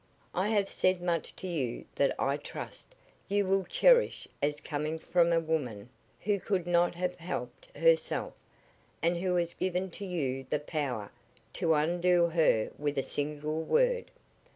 I have said much to you that I trust you will cherish as coming from a woman who could not have helped herself and who has given to you the power to undo her with a single word.